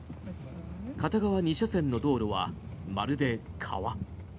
片側２車線の道路はまるで川。